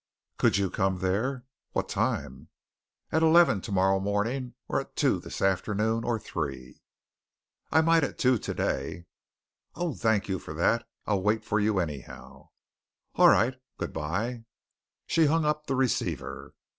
"Could you come there?" "What time?" "At eleven tomorrow morning or two this afternoon or three." "I might at two today." "Oh, thank you for that. I'll wait for you, anyhow." "All right. Good bye." And she hung up the receiver.